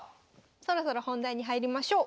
そろそろ本題に入りましょう。